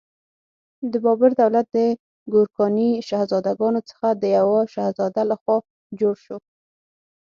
د بابر دولت د ګورکاني شهزادګانو څخه د یوه شهزاده لخوا جوړ شو.